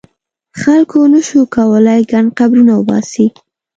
خلکو نه شو کولای ګڼ قبرونه وباسي.